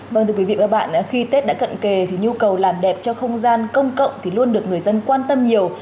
vâng thưa quý vị và các bạn khi tết đã cận kề thì nhu cầu làm đẹp cho không gian công cộng thì luôn được người dân quan tâm nhiều